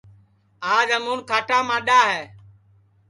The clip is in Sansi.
آج ہمُون کھاٹا ماڈؔا ہے